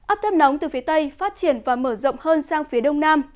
áp thấp nóng từ phía tây phát triển và mở rộng hơn sang phía đông nam